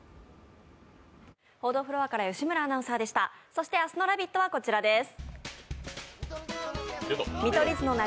そして明日の「ラヴィット！」は、こちらです。